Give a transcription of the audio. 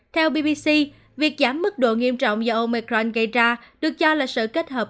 theo bbc việc giảm mức độ nghiêm trọng do omecron gây ra được cho là sự kết hợp